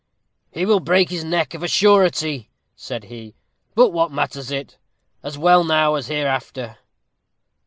"He will break his neck, of a surety," said he; "but what matters it? As well now as hereafter."